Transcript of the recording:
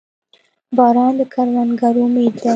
• باران د کروندګرو امید دی.